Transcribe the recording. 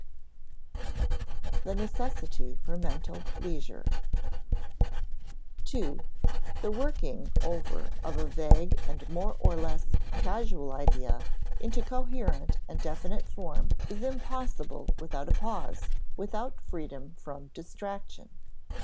[Sidenote: The necessity for mental leisure] (ii) The working over of a vague and more or less casual idea into coherent and definite form is impossible without a pause, without freedom from distraction.